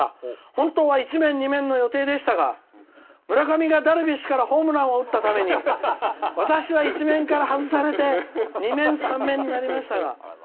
本当は１面、２面の予定でしたが村上がダルビッシュからホームランを打ったために私は１面から外されて２面、３面になりましたが。